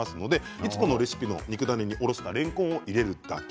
いつものレシピの肉ダネにおろしたれんこんを入れるだけ。